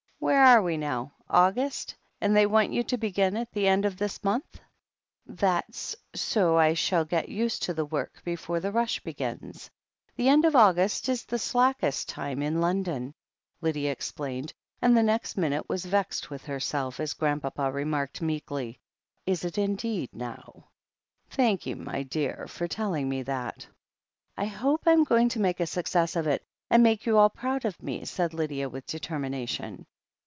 ^"Where are we now — August ? And they want you to begin at the end of this month?" "That's so that I shall get used to the work before the rush begins. The end of August is the slackest time in London," Lydia explained, and the next minute «^ras vexed with herself, as Grandpapa remarked meekly : "Is it indeed, now ? Thank 'ee, my dear, for telling me that." 'T hope I'm going to make a success of it, and make you all proud of me," said Lydia with determination.